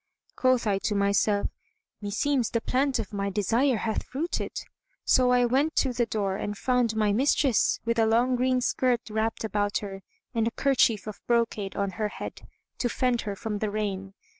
Quoth I to myself, "Meseems the plant of my desire hath fruited." So I went to the door and found my mistress, with a long green skirt[FN#170] wrapped about her and a kerchief of brocade on her head, to fend her from the rain.